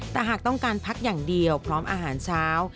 แต่หากต้องการพักอย่างเดียวพร้อมอาหารเช้า